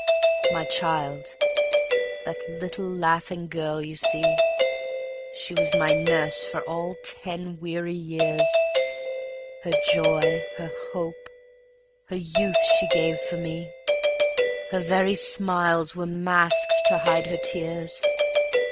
My child, that little, laughing girl you see, She was my nurse for all ten weary years; Her joy, her hope, her youth she gave for me; Her very smiles were masks to hide her tears.